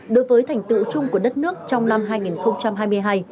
đối với thành tựu chung của đất nước trong năm hai nghìn hai mươi hai